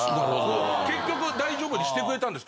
結局大丈夫にしてくれたんですけど。